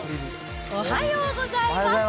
おはようございます。